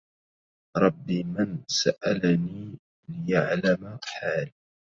رب من سألني ليعلم حالي